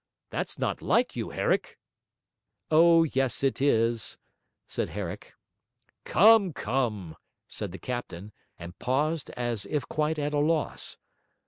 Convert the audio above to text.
That's not like you, Herrick!' 'O yes, it is,' said Herrick. 'Come, come!' said the captain, and paused as if quite at a loss.